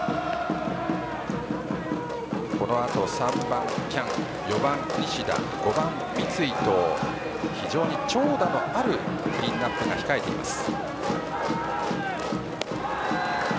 このあと、３番・喜屋武４番・西田５番・三井と非常に長打のあるクリーンナップが控えています。